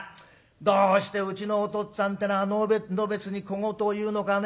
どうしてうちのおとっつぁんってのはのべつに小言を言うのかね。